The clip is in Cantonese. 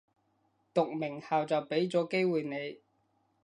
讀名校就畀咗機會你